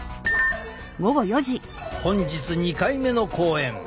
本日２回目の講演。